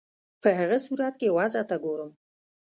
په هغه صورت کې وضع ته ګورم.